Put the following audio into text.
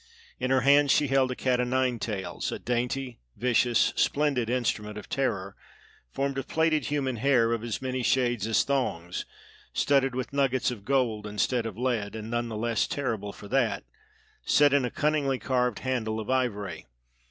In her hand she held a cat o' nine tails a dainty, vicious, splendid instrument of terror formed of plaited human hair of as many shades as thongs, studded with nuggets of gold instead of lead and none the less terrible for that set in a cunningly carved handle of ivory.